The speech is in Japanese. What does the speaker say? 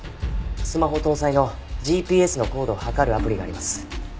スマホ搭載のＧＰＳの高度を測るアプリがあります。